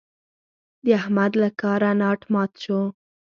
د احمد له کاره ناټ مات شو.